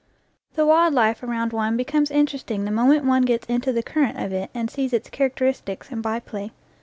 The wild life around one becomes interesting the moment one gets into the current of it and sees its characteristics and by play.